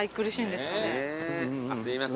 すいません